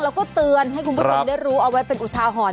แล้วก็เตือนให้คุณผู้ชมได้รู้เอาไว้เป็นอุทาหรณ์